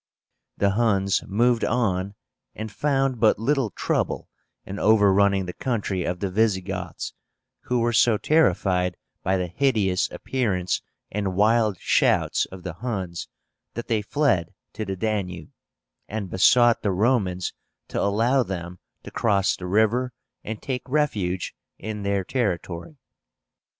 The Huns moved on, and found but little trouble in overrunning the country of the Visigoths, who were so terrified by the hideous appearance and wild shouts of the Huns that they fled to the Danube, and besought the Romans to allow them to cross the river and take refuge in their territory.